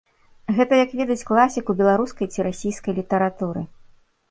Гэта як ведаць класіку беларускай ці расійскай літаратуры.